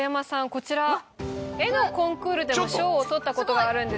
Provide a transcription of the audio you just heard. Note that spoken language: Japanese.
こちら絵のコンクールでも賞を取ったことがあるんです。